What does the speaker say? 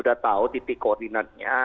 tidak tahu titik koordinatnya